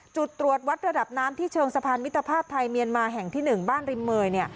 จุดตรวจวัดระดับน้ำที่เชิงสะพานมิตรภาพไทยเมียนมาแห่งที่๑บ้านริมเมย